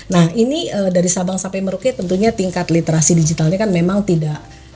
nah ini dari sabang sampai merauke tentunya tingkat literasi digitalnya kan memang tidak